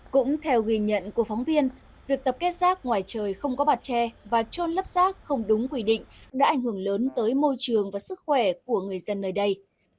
cũng theo ghi nhận của phóng viên việc tập kết rác ngoài trời không có bạt tre và trôn lấp rác không đúng quy định đã ảnh hưởng lớn tới môi trường và sức khỏe của người dân nơi đây